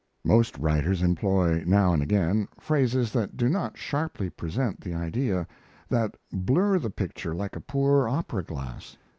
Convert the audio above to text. Most writers employ, now and again, phrases that do not sharply present the idea that blur the picture like a poor opera glass.